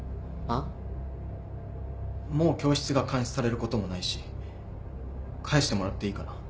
もう教室が監視されることもないし返してもらっていいかな？